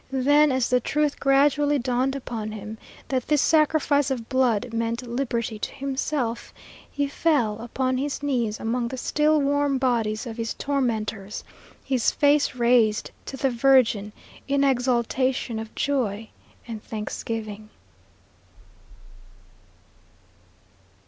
Then as the truth gradually dawned upon him, that this sacrifice of blood meant liberty to himself, he fell upon his knees among the still warm bodies of his tormentors, his face raised to the Virgin in exultation of joy and thanksgiving.